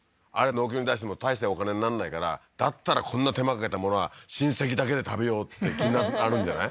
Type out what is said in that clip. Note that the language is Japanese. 農協に出しても大したお金になんないからだったらこんな手間かけたものは親戚だけで食べようって気があるんじゃない？